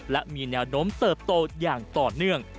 และมีแนวโน้มเติบโตอย่างต่อเนื่อง